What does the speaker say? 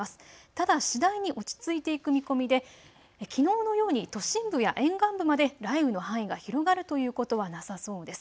ただ次第に落ち着いていく見込みできのうのように都心部や沿岸部まで雷雨の範囲が広がるということはなさそうです。